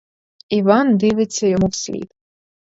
Іван дивиться йому вслід.